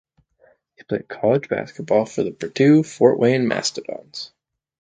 He played college basketball for the Purdue Fort Wayne Mastodons.